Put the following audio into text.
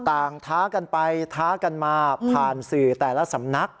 ท้ากันไปท้ากันมาผ่านสื่อแต่ละสำนัก